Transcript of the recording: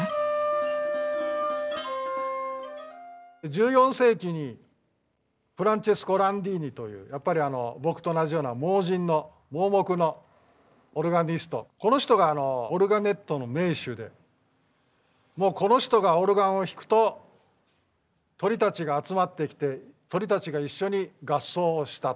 １４世紀にフランチェスコ・ランディーニというやっぱり僕と同じような盲人の盲目のオルガニストこの人がオルガネットの名手でこの人がオルガンを弾くと鳥たちが集まってきて鳥たちが一緒に合奏をしたと。